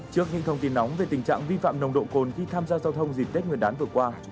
trước những thông tin nóng về tình trạng vi phạm nồng độ cồn khi tham gia giao thông dịp tết nguyên đán vừa qua